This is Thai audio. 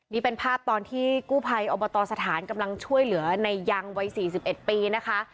นี่เป็นภาพตอนที่กู้ภัยอบตสถานกำลังช่วยเหลือในยังวัย๔๑ปีนะคะ